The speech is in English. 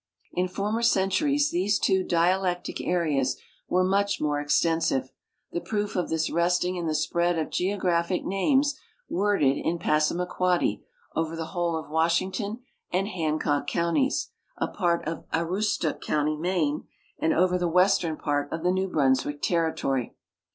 In former centuries these two dialectic areas were much more extensive, the ])roof of this rest ing in the spread of geographic names worded in Passamaquoddy over the whole of Washington and Hancock counties, a part of Aroostook count}', Maine, and over the western i)art of the New Brunswick territory.